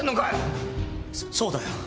そそうだよ。